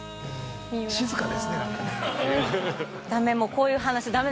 静かですね何か。